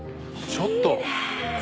ちょっと。